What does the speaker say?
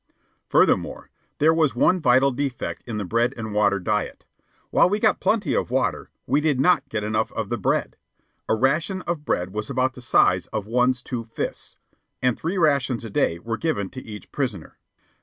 Furthermore, there was one vital defect in the bread and water diet. While we got plenty of water, we did not get enough of the bread. A ration of bread was about the size of one's two fists, and three rations a day were given to each prisoner.